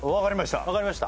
分かりました